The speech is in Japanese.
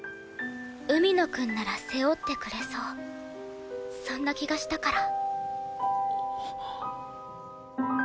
海野くんなら背負ってくれそうそんな気がしたから。